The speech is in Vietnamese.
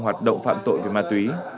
hoạt động phạm tội về ma túy